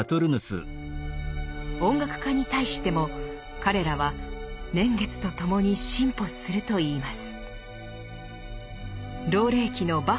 音楽家に対しても彼らは「年月とともに進歩する」と言います。